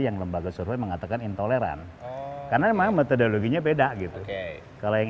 yang lembaga survei mengatakan intoleran karena memang metodologinya beda gitu kalau yang